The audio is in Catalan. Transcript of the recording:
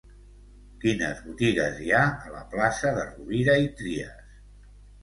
Quines botigues hi ha a la plaça de Rovira i Trias?